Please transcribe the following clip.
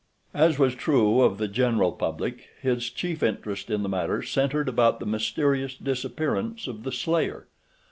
As was true of the general public, his chief interest in the matter centered about the mysterious disappearance of the slayer.